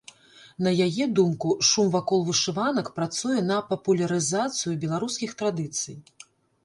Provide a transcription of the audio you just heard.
На яе думку, шум вакол вышыванак працуе на папулярызацыю беларускіх традыцый.